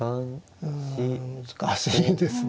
うん難しいですね。